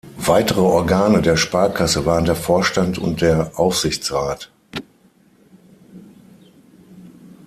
Weitere Organe der Sparkasse waren der Vorstand und der Aufsichtsrat.